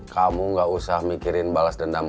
kamu gak usah mikirin balas dendam